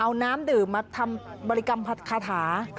เอาน้ำดื่มมาทำบริกรรมคาถา